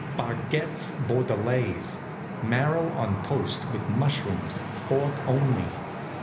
"Barquettes Bordellaise (marrow on toast, with mushrooms fork only).